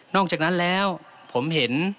อกจากนั้นแล้วผมเห็น